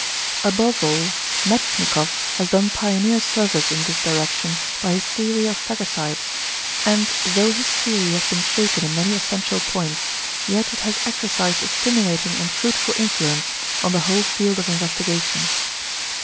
Above all Metschnikoff has done pioneer service in this direction by his theory of phagocytes, and though his theory has been shaken in many essential points, yet it has exercised a stimulating and fruitful influence on the whole field of investigation.